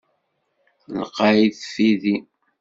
Lqayet tfidi.